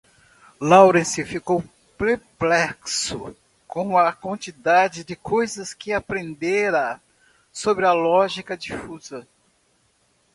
Lawrence ficou perplexo com a quantidade de coisas que aprendera sobre a lógica difusa.